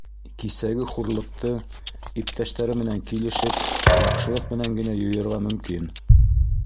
Кисәге хурлыҡты, иптәштәре менән килешеп, яҡшылыҡ менән генә юйырға мөмкин.